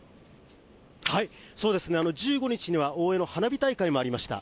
そうですね、１５日には大江の花火大会もありました。